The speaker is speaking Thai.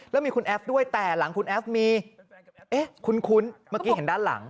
แล้วมีคุณแอฟด้วยแต่หลังคุณแอฟมีเอ๊ะคุ้นเมื่อกี้เห็นด้านหลัง